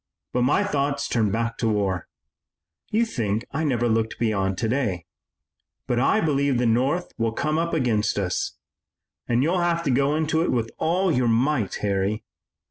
But my thoughts turn back to war. You think I never look beyond today, but I believe the North will come up against us. And you'll have to go into it with all your might, Harry.